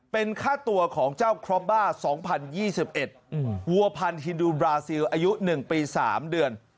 เป็นค่าตัวของเจ้าครอบบ้า๒๐๒๑วัวพันธินดูบราซิลอายุ๑ปี๓เดือน